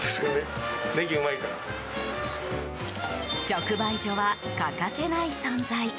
直売所は欠かせない存在。